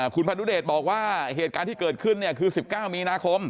คุณพนุเดชบอกว่าเหตุการณ์ที่เกิดขึ้นคือ๑๙มีนาคม